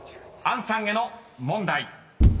［杏さんへの問題］